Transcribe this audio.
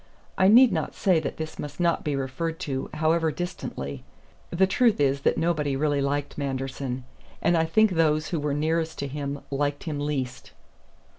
I need not say that this must not be referred to, however distantly. The truth is that nobody really liked Manderson; and I think those who were nearest to him liked him least."